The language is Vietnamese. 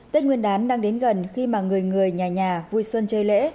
tết nguyên đán đang đến gần khi mà người người nhà nhà vui xuân chơi lễ